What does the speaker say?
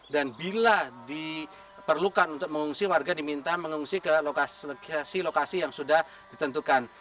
dan bila diperlukan untuk mengungsi warga diminta mengungsi ke lokasi lokasi yang sudah ditentukan